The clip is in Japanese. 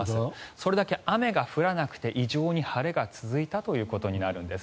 それだけ雨が降らなくて異常に晴れが続いたということになるんです。